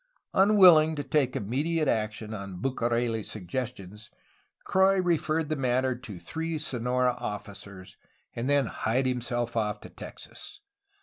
Unwilling to take immediate action on Bucareli's sug gestions, Croix referred the matter to three Sonora officers, and then hied himself off to Texas.